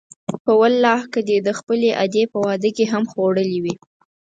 په والله که دې د خپلې ادې په واده کې هم خوړلي وي.